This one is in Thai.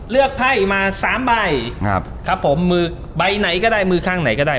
ไพ่มาสามใบครับครับผมมือใบไหนก็ได้มือข้างไหนก็ได้